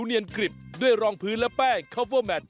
เดี๋ยวพักกันสักครู่เดี๋ยวกลับมานะ